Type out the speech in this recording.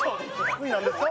次何ですか？